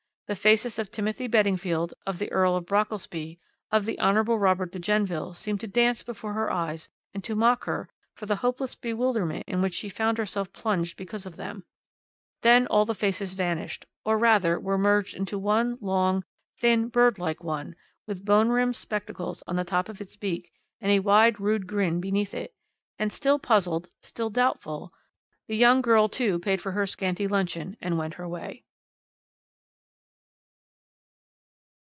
The faces of Timothy Beddingfield, of the Earl of Brockelsby, of the Hon. Robert de Genneville seemed to dance before her eyes and to mock her for the hopeless bewilderment in which she found herself plunged because of them; then all the faces vanished, or, rather, were merged in one long, thin, bird like one, with bone rimmed spectacles on the top of its beak, and a wide, rude grin beneath it, and, still puzzled, still doubtful, the young girl too paid for her scanty luncheon and went her way.